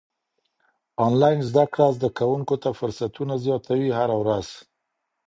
انلاين زده کړه زده کوونکو ته فرصتونه زياتوي هره ورځ.